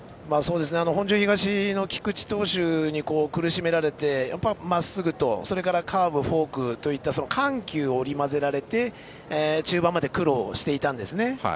本庄東のきくち投手に苦しめられて、まっすぐとカーブ、フォークといった緩急を織り交ぜられて中盤まで苦労していたんですね。